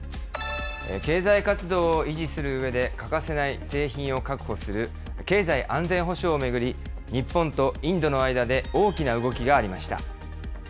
経済活動を維持するうえで欠かせない製品を確保する経済安全保障を巡り、日本とインドの間で大きな動きがありました。